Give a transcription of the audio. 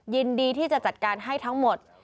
ยินดีที่จะจัดการให้ทั้งหมด